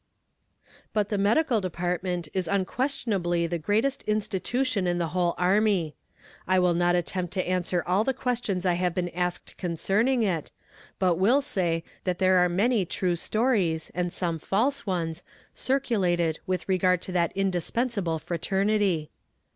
But the medical department is unquestionably the greatest institution in the whole army. I will not attempt to answer all the questions I have been asked concerning it, but will say that there are many true stories, and some false ones, circulated with regard to that indispensable fraternity.